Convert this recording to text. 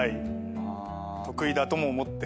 得意だとも思ってません。